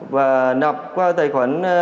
và nạp qua tài khoản